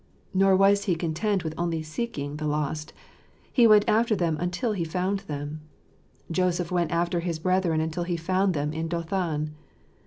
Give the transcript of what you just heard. Nor was He content with only seeking the lost ; He went after them until He found them. "Joseph went after his brethren until he found them in Dothan."